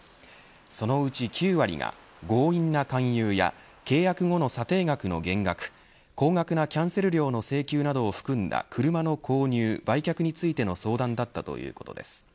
そのうち９割が強引な勧誘や契約後の査定額の減額高額なキャンセル料の請求などを含んだ車の購入、売却についての相談だったということです。